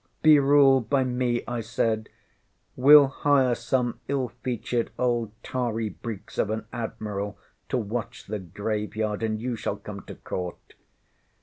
ŌĆśŌĆ£Be ruled by me, ŌĆØ I said. ŌĆ£WeŌĆÖll hire some ill featured old tarry breeks of an admiral to watch the Graveyard, and you shall come to Court.